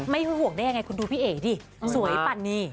ไม่รู้ห่วงได้ยังไงคุณดูพี่เอ๋ดิสวยปันนี่